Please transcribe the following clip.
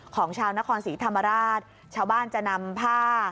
ของชาวนครศรีธรรมราชชาวบ้านจะนำผ้า